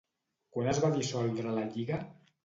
Quan es va dissoldre la Lliga?